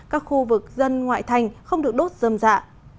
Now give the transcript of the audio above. các khu vực dân ngoại thành không được đốt dâm dạ